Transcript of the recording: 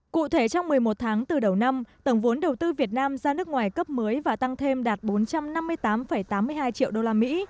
cụ thể trong một mươi một tháng từ đầu năm tổng vốn đầu tư việt nam ra nước ngoài cấp mới và tăng thêm đạt bốn trăm năm mươi tám tám mươi hai triệu đô la mỹ